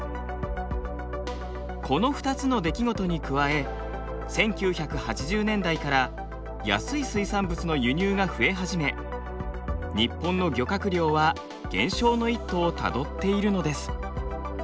この２つの出来事に加え１９８０年代から安い水産物の輸入が増え始め日本の漁獲量は減少の一途をたどっているのです。